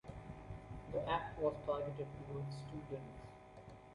The Act was targeted towards students.